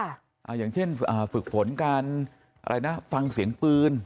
อย่างเช่นฝึกฝนการอะไรนะฟังเสียงปืน